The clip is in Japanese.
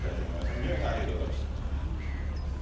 二宮さん、ありがとうございました。